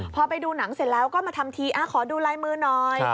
พอไปดูหนังเสร็จแล้วก็มาทำทีขอดูลายมือหน่อย